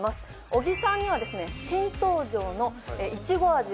小木さんには新登場のいちご味を。